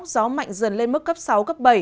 gió mạnh dần lên mức cấp sáu cấp bảy